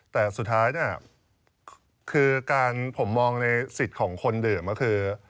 แต่สุดท้ายเนี่ยคือการผมมองในสิทธิ์ของคนดื่มก็คือ